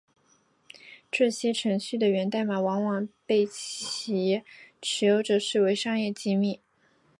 这些程序的源代码往往被其持有者视为商业机密。